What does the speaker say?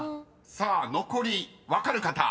［さあ残り分かる方］